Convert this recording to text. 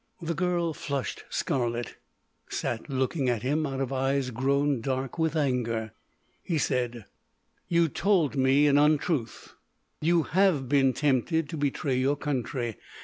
The girl flushed scarlet, sat looking at him out of eyes grown dark with anger. He said: "You told me an untruth. You have been tempted to betray your country.